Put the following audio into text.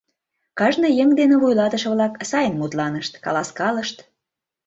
Кажне еҥ дене вуйлатыше-влак сайын мутланышт, каласкалышт.